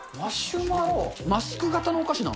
マスク型のお菓子なの？